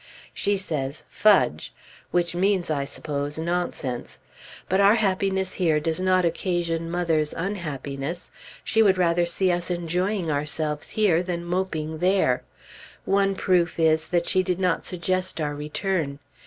She says "Fudge!" which means, I suppose, nonsense. But our happiness here does not occasion mother's unhappiness. She would rather see us enjoying ourselves here than moping there. One proof is, that she did not suggest our return.